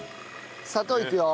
砂糖いくよ。